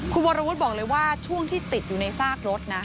คุณวรวุฒิบอกเลยว่าช่วงที่ติดอยู่ในซากรถนะ